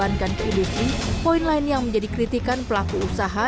yang dibahankan ke industri poin lain yang menjadi kritikan pelaku usaha